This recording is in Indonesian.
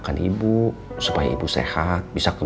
jadi saya akan pergi sekarang